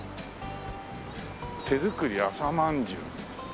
「手づくり朝まんじゅう」？